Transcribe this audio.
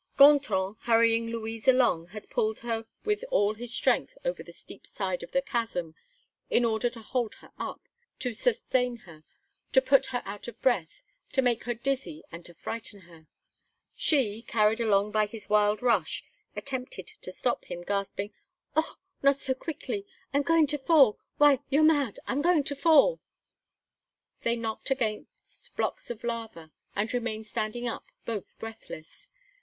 Gontran, hurrying Louise along, had pulled her with all his strength over the steep side of the chasm, in order to hold her up, to sustain her, to put her out of breath, to make her dizzy, and to frighten her. She, carried along by his wild rush, attempted to stop him, gasping: "Oh! not so quickly I'm going to fall why, you're mad I'm going to fall!" They knocked against the blocks of lava, and remained standing up, both breathless.